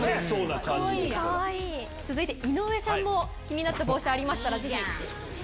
続いて井上さんも気になった帽子ありましたら。